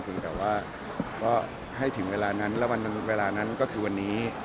แต่ว่าก็ให้ถึงเวลานั้นแล้ววันเวลานั้นก็คือวันนี้